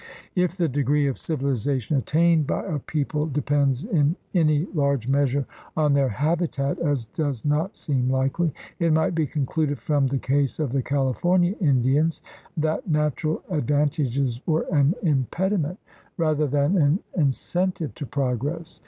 If the degree of civilization attained by a people depends in any large measure on their habitat, as does not seem likely, it might be concluded from the case of the California Indians that natural advantages were an impediment rather than an incentive to progress."